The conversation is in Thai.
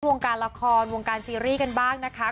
วงการละครวงการซีรีส์กันบ้างนะคะ